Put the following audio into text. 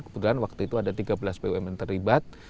kebetulan waktu itu ada tiga belas bumn terlibat